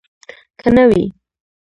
که نه وي.